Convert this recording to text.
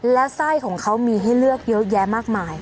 และไส้ของเขามีให้เลือกเยอะแยะมากมาย